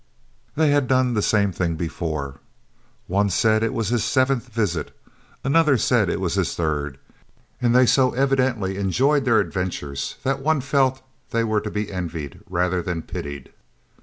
They had done the same thing before. One said it was his seventh visit, another said it was his third, and they so evidently enjoyed their adventures that one felt they were to be envied rather than pitied.